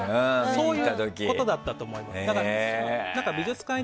そういうことだったと思います。